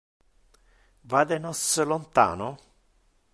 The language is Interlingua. Vade nos lontano?